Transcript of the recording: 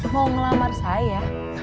mau ngelamar saya